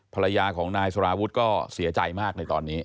ภรรยาของนายสารวุฒิก็เสียใจมากในตอนนี้